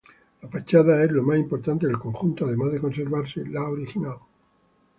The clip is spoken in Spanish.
La fachada es lo más importante del conjunto, además de conservarse la original.